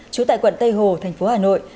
trú tại quận tây hồ thành phố hà nội